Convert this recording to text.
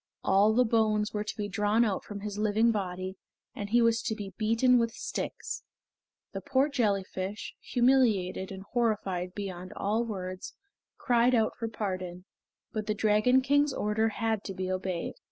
All the bones were to be drawn out from his living body, and he was to be beaten with sticks. The poor jellyfish, humiliated and horrified beyond all words, cried out for pardon. But the Dragon King's order had to be obeyed.